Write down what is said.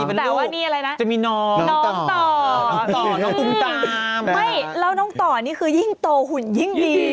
ไม่แล้วน้องต่อนี่คือยิ่งโตหุ่นยิ่งดี